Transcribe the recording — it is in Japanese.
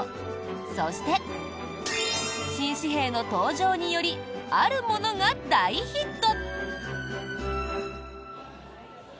そして、新紙幣の登場によりあるものが大ヒット。